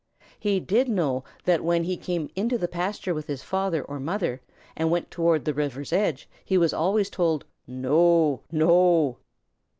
He did know that when he came into the pasture with his father or mother and went toward the river's edge, he was always told, "No no!"